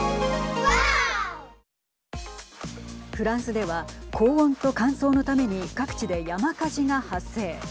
フランスでは高温と乾燥のために各地で山火事が発生。